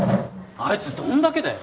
あいつどんだけだよ